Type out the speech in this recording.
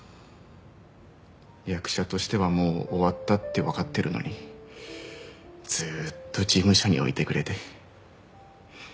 役者としてはもう終わったってわかってるのにずっと事務所に置いてくれて。